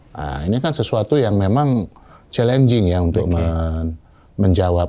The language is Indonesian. nah ini kan sesuatu yang memang challenging ya untuk menjawab